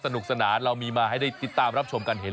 สนุกสนานเรามีมาให้ได้ติดตามรับชมกันเห็น